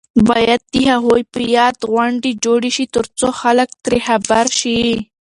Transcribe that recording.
باید د هغوی په یاد غونډې جوړې شي ترڅو خلک ترې خبر شي.